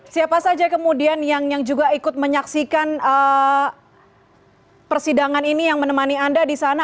siapa saja kemudian yang juga ikut menyaksikan persidangan ini yang menemani anda di sana